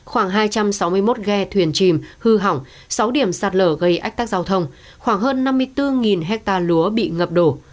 khoảng hai trăm sáu mươi một ghe thuyền chìm hư hỏng sáu điểm sạt lở gây ách tắc giao thông khoảng hơn năm mươi bốn hectare lúa bị ngập đổ